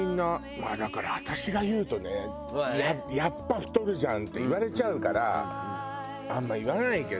まあだから私が言うとね「やっぱ太るじゃん！」って言われちゃうからあんま言わないけど。